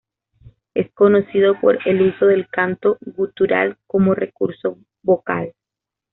Es conocido por el uso del canto gutural como recurso vocal.